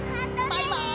バイバイ。